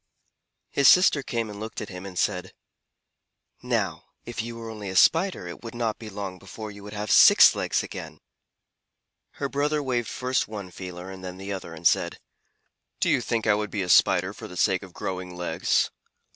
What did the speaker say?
His sister came and looked at him and said, "Now if you were only a Spider it would not be long before you would have six legs again." Her brother waved first one feeler and then the other, and said: "Do you think I would be a Spider for the sake of growing legs?